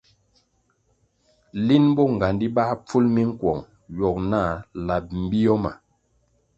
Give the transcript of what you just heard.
Lin bonğandi báh pful minkuong ywogo nah lab bio ma.